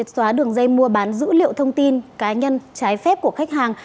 xóa đường dây mua bán dữ liệu thông tin cá nhân trái phép của khách hàng